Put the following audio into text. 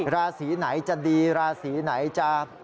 ราศีไหนจะดีราศีไหนจะ